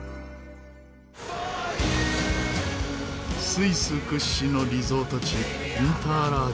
スイス屈指のリゾート地インター